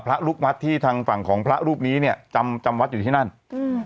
พระลูกวัดที่ทางฝั่งของพระรูปนี้เนี้ยจำจำวัดอยู่ที่นั่นอืม